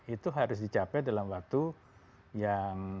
itu harus dicapai dalam waktu yang